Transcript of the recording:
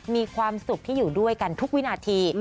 มีความสุขที่อยู่ด้วยกันทุกวินาที